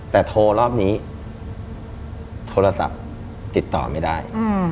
แต่โทรรอบนี้โทรศัพท์ติดต่อไม่ได้